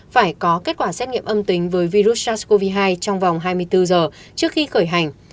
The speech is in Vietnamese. phải có kết quả xét nghiệm âm tính với virus sars cov hai trong vòng hai mươi bốn giờ trước khi khởi hành